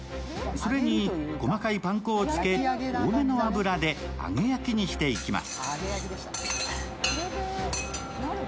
それに細かいパン粉をつけ、多めの油で揚げ焼きにしていきます。